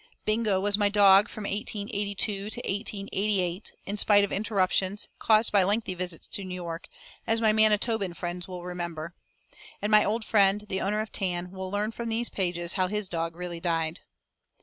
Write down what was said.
Bingo was my dog from 1882 to 1888, in spite of interruptions, caused by lengthy visits to New York, as my Manitoban friends will remember. And my old friend, the owner of Tan, will learn from these pages how his dog really died.